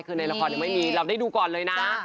คือในละครยังไม่มีเราได้ดูก่อนเลยนะ